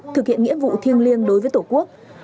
thực hiện nghĩa vụ thiêng liêng đối với tổ quốc